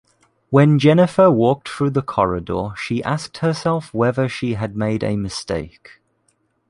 When Jennifer walked through the corridor she asked herself whether she had made a mistake.